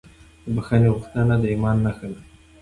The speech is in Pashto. د بښنې غوښتنه د ایمان نښه ده.